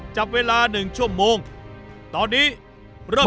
จับเวลา๑ชั่วโมงตอนนี้เริ่ม